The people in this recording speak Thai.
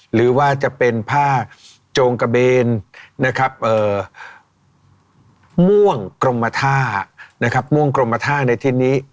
หรือว่าจะเป็นผ้าโจงกระเบนนะครับม่วงกรมท่านะครับม่วงกรมท่าในทิศนี้